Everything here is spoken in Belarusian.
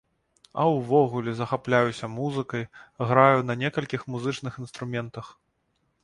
А ўвогуле, захапляюся музыкай, граю на некалькіх музычных інструментах.